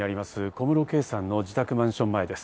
小室圭さんの自宅マンション前です。